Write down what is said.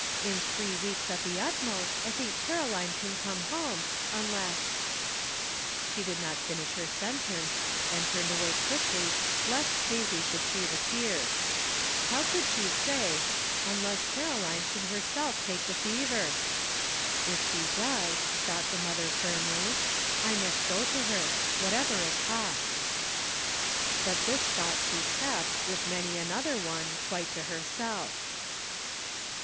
In three weeks at the utmost I think Caroline can come home, unless "— She did not finish her sentence, and turned away quickly lest Daisy should see the tears. How could she say, "Unless Caroline should herself take the fever?" "If she does," thought the mother firmly, " I must go to her, whatever it costs." But this thought she kept, with many another one, quite to herself.